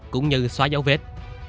cũng như xóa dấu vết